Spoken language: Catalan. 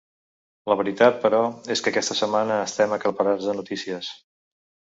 La veritat, però, és que aquesta setmana estem aclaparats de notícies.